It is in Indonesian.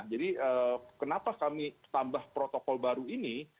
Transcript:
jadi kenapa kami tambah protokol baru ini